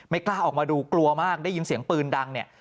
กล้าออกมาดูกลัวมากได้ยินเสียงปืนดังเนี่ย